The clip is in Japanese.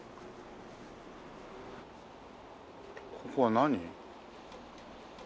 ここは何？